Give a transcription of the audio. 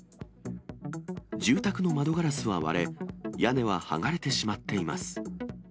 住宅の窓ガラスは割れ、屋根は剥がれてしまっています。